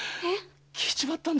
聞いちまったんだ